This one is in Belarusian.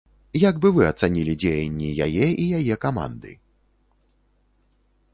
Як бы вы ацанілі дзеянні яе і яе каманды?